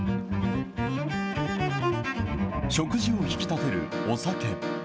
食事を引き立てるお酒。